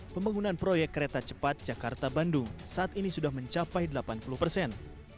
pembangunan proyek kereta cepat jakarta bandung saat ini sudah mencapai delapan puluh persen